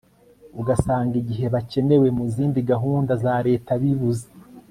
ugasanga igihe bakenewe mu zindi gahunda za leta bibuze